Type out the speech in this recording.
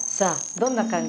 「どんな感じ」？